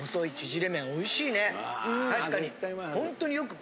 確かに。